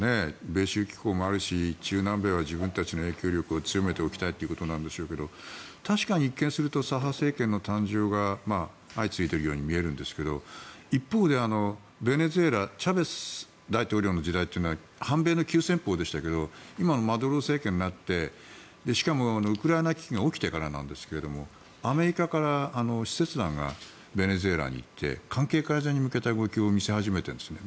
米州機構もあるし中南米は自分たちの影響力を強めておきたいということなんでしょうが確かに一見すると左派政権の誕生が相次いでいるように見えるんですけど一方でベネズエラチャベス大統領の時代は反米の急先鋒でしたけど今のマドゥロ政権になってしかもウクライナ危機が起きてからなんですがアメリカから使節団がベネズエラに行って関係改善に向けた動きを見せ始めているんですね。